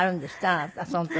あなたその時。